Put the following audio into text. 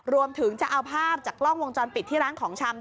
รวมถึงจะเอาภาพจากกล้องวงจรปิดที่ร้านของชำ